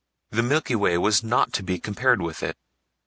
The Milky Way was not to be compared with it.